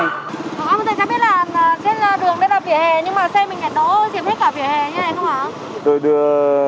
các bác sĩ đã biết là cái đường đây là vỉa hè